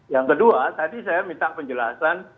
yang kedua tadi saya minta penjelasan